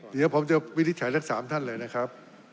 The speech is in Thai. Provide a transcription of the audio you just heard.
เดี๋ยวผมจะวินิจฉัยทั้ง๓ท่านเลยนะครับ